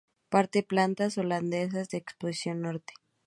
Partes planas o laderas de exposición norte.